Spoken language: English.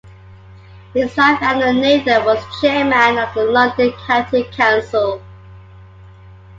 His wife Eleanor Nathan was Chairman of the London County Council.